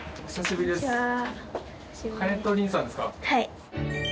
はい。